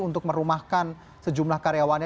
untuk merumahkan sejumlah karyawannya